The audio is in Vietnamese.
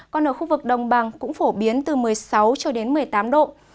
còn ở khu vực đồng bằng cũng phổ biến từ một mươi sáu cho đến một mươi tám độ